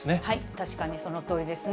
確かにそのとおりですね。